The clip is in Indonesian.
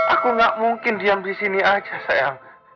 aku gak mungkin diam di sini aja sayang